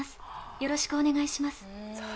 よろしくお願いします